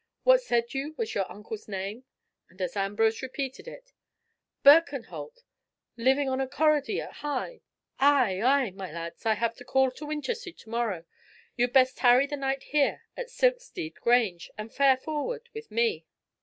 What said you was your uncle's name?" and as Ambrose repeated it, "Birkenholt! Living on a corrody at Hyde! Ay! ay! My lads, I have a call to Winchester to morrow, you'd best tarry the night here at Silkstede Grange, and fare forward with me."